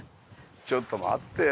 ちょっと待ってよ。